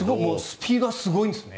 スピードはすごいんですね。